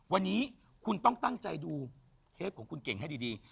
วันนี้คุณต้องตั้งใจดูเทปของคุณเก่งให้ดี